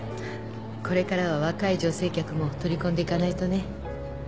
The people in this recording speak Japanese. これからは若い女性客も取り込んでいかないとね。